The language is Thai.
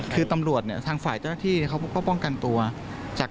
คือตำรวจเนี่ยทางฝ่ายเจ้าหน้าที่เขาก็ป้องกันตัวจาก